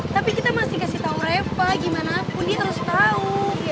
tapi kita masih kasih tau reva gimana pun dia terus tahu